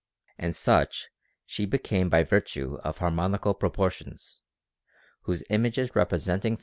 And such she became by vir tue of harmonical proportions, whose images representing * X.